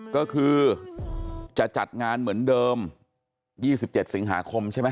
ก็คือจะจัดงานเหมือนเดิม๒๗สิงหาคมใช่ไหม